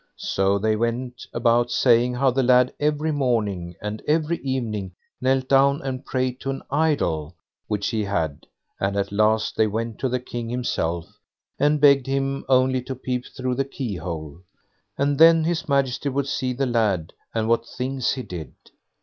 So they went about saying how the lad every morning and every evening knelt down and prayed to an idol which he had, and at last they went to the king himself and begged him only to peep through the key hole, and then His Majesty would see the lad, and what things he did.